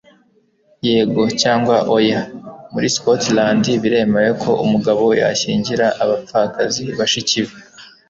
Yego Cyangwa Oya - Muri Scotland Biremewe ko Umugabo Yashyingira Abapfakazi Bashiki be?